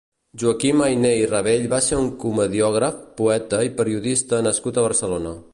Joaquim Ayné i Rabell va ser un comediògraf, poeta i periodista nascut a Barcelona.